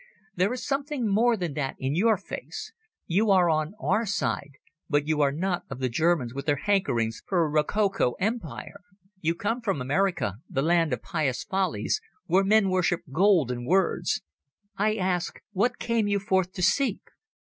There is something more than that in your face. You are on our side, but you are not of the Germans with their hankerings for a rococo Empire. You come from America, the land of pious follies, where men worship gold and words. I ask, what came you forth to seek?"